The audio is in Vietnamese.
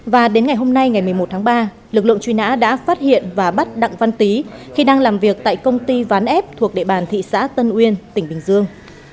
và đến ngày hôm nay ngày một mươi một tháng ba lực lượng truy nã đã phát hiện và bắt đặng văn tý khi đang làm việc tại công ty ván ép thuộc địa bàn thị xã tân uyên tỉnh bình dương